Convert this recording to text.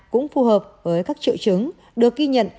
cũng phù hợp với các triệu chứng được ghi nhận